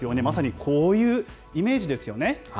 まさにこういうイメージですよね。